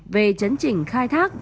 về chấn trình khai thác